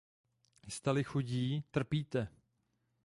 Jste-li chudí, trpíte.